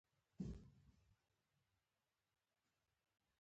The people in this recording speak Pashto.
میرقاسم په شمال کې دسیسې پیل کړي.